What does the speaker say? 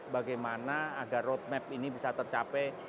bagaimana agar road map ini bisa tercapai